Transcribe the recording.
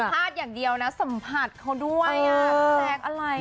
ไม่ได้สัมผัสอย่างเดียวนะสัมผัสเขาด้วยแปลกอะไร